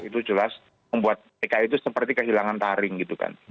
itu jelas membuat dki itu seperti kehilangan taring gitu kan